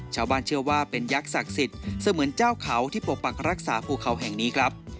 ชาวบ้านเชื่อว่าเป็นยักษ์ศักดิ์สิทธิ์เสมือนเจ้าเขาที่ปกปักรักษาภูเขาแห่งนี้ครับ